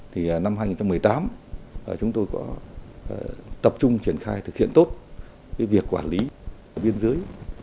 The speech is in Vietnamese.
thì năm hai nghìn một mươi tám chúng tôi có tập trung triển khai thực hiện tốt cái việc quản lý biên giới